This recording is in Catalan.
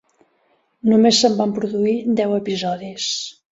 Només se'n van produir deu episodis.